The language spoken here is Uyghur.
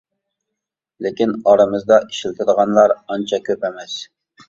لېكىن ئارىمىزدا ئىشلىتىدىغانلار ئانچە كۆپ ئەمەس.